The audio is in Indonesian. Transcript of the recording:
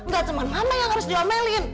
gak cuma mama yang harus diomelin